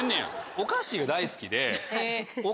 お菓子が大好きで。